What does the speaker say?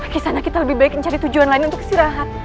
kesana kita lebih baik mencari tujuan lain untuk istirahat